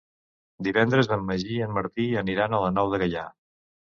Divendres en Magí i en Martí aniran a la Nou de Gaià.